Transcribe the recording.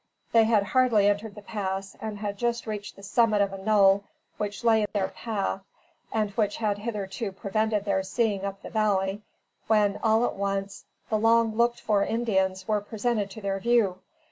They had hardly entered the pass and had just reached the summit of a knoll which lay in their path, and which had hitherto prevented their seeing up the valley, when, all at once, the long looked for Indians were presented to their view.